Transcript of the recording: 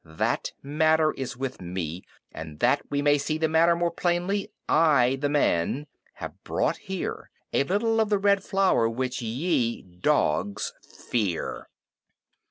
That matter is with me; and that we may see the matter more plainly, I, the man, have brought here a little of the Red Flower which ye, dogs, fear."